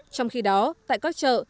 trong khi đó tại các chợ